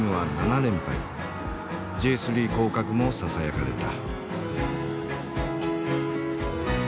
Ｊ３降格もささやかれた。